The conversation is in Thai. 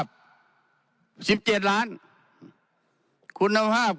คุณภาพของโรงเรียนที่อยู่บนครับ